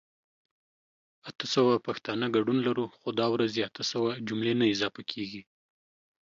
اته سوه پښتانه ګډون لرو خو دا ورځې اته سوه جملي نه اضافه کيږي